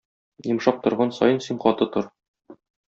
Йомшак торган саен, син каты тор.